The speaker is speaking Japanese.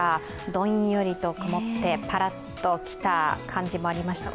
どんよりと曇って、ぱらっときた感じもありました。